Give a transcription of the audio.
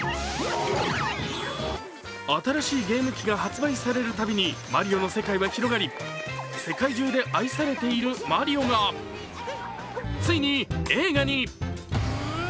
新しいゲーム機が発売されるたびにマリオの世界は広がり世界中で愛されているマリオがついに映画に。